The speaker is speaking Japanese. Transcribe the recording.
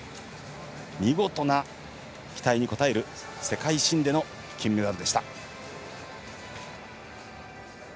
見事な期待に応える世界新での金メダルでした。